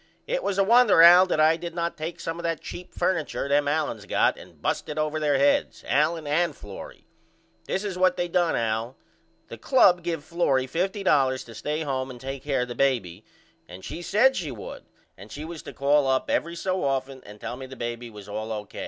It was a wonder Al that I did not take some of that cheap furniture them Aliens got and bust it over there heads, Allen and Florrie. This is what they done Al. The club give Florrie $50.00 to stay home and take care of the baby and she said she would and she was to call up every so often and tell me the baby was all O.